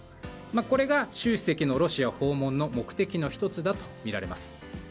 これが習主席のロシア訪問の目的の１つだとみられます。